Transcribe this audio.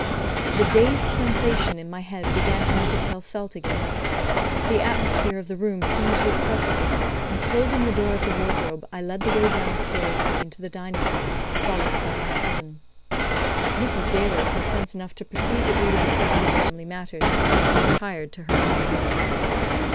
The dazed sensation in my head began to make itself felt again. The atmosphere of the room seemed to oppress me, and closing the door of the wardrobe, I led the way down stairs again to the dining room, followed by my cousin. Mrs. Daly had sense enough to perceive that we were discussing family matters, and retired to her own room.